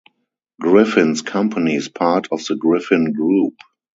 Griffin's company is part of The Griffin Group.